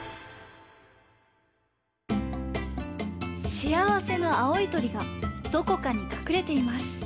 しあわせの青い鳥がどこかにかくれています。